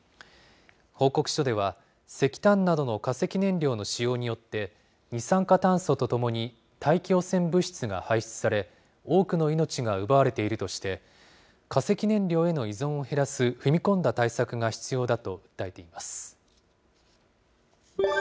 報告書では、石炭などの化石燃料の使用によって、二酸化炭素とともに、大気汚染物質が排出され、多くの命が奪われているとして、化石燃料への依存を減らす踏み込んだ対策が必要だと訴えています。